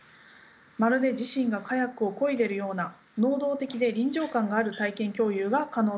まるで自身がカヤックをこいでるような能動的で臨場感がある体験共有が可能となるのです。